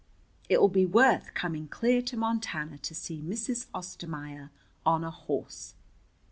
It will be worth coming clear to Montana to see Mrs. Ostermaier on a horse."